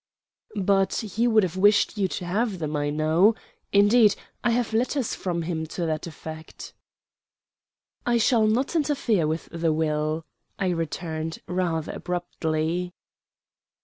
"But he would have wished you to have them, I know. Indeed, I have letters from him to that effect." "I shall not interfere with the will," I returned, rather abruptly.